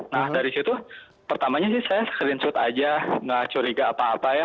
nah dari situ pertamanya sih saya screenshot aja gak curiga apa apa ya